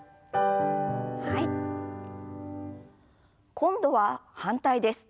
今度は反対です。